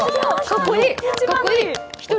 かっこいい、１人。